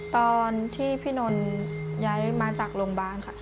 ตอนที่พี่นนท์ย้ายมาจากโรงพยาบาลค่ะ